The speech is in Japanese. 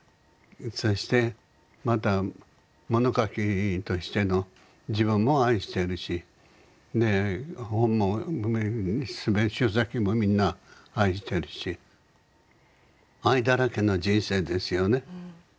そしてまた物書きとしての自分も愛してるしで本も書籍もみんな愛してるし愛だらけの人生ですよね。